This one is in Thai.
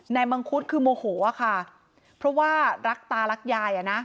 นายมังคุดคือโมโหค่ะค่ะเพราะว่ารักตารักยาย